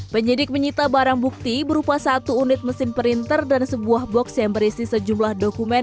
penyidik menyita barang bukti berupa satu unit mesin printer dan sebuah box yang berisi sejumlah dokumen